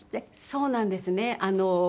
そうなんですね。